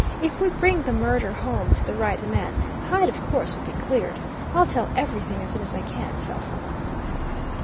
If we bring the murder home to the right man, Hyde of course will be cleared. I'll tell everything as soon as I can, Felpham."